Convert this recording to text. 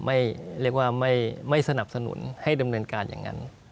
ไม่เรียกว่าไม่สนับสนุนให้ดำเนินการอย่างนั้น